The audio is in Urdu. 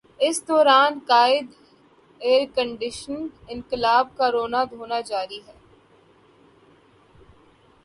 اس دوران قائد ائیرکنڈیشنڈ انقلاب کا رونا دھونا جاری رہے گا۔